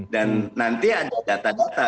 nanti ada data data